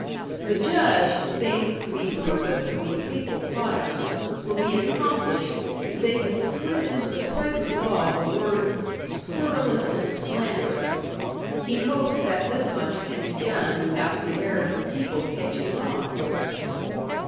The Judge thinks the purpose of the Papal plotters will be accomplished if they can slip into the present law the words "scurrilous and slanderous"; he hopes that this much can be done without the American people catching on!